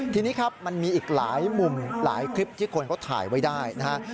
ทีนี้ครับมันมีอีกหลายมุมหลายคลิปที่คนเขาถ่ายไว้ได้นะครับ